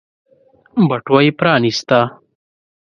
بټوه يې پرانيسته.